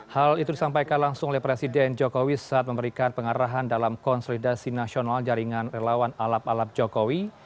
hal itu disampaikan langsung oleh presiden jokowi saat memberikan pengarahan dalam konsolidasi nasional jaringan relawan alap alap jokowi